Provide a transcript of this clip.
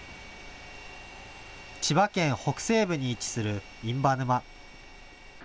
千葉県北西部に位置する印旛沼。